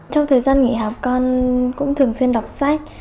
trong thời gian nghỉ học con cũng thường xuyên đọc sách